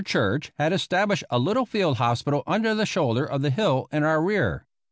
Church had established a little field hospital under the shoulder of the hill in our rear.